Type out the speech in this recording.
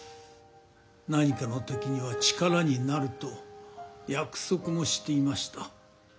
何かのときには力になると約束もしていました。